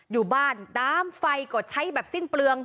อยู่บ้านน้ำไฟก็ใช้แบบสิ้นเปลือง